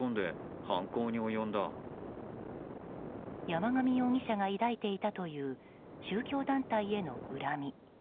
山上容疑者から抱いていたという宗教団体への恨み。